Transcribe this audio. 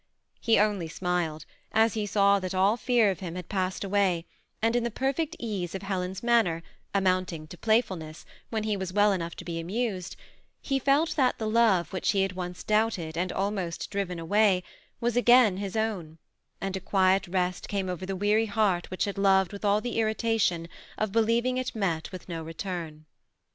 He only smiled as he saw that all fear of him had passed away, and in the perfect ease of Helen's manner, amounting to play fulness when he was well enough to be amused, he felt that the love which he had once doubted, and almost driven away, was again his own ; and a quiet rest came over the weary heart which had loved with all the irri tation of believing it met with no return.